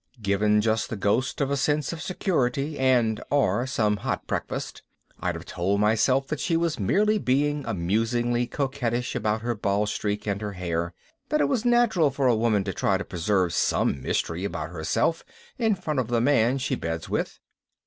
Given just the ghost of a sense of security and/or some hot breakfast, I'd have told myself that she was merely being amusingly coquettish about her bald streak and her hair, that it was natural for a woman to try to preserve some mystery about herself in front of the man she beds with.